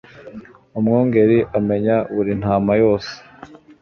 umwungeri amenya buri ntama yose.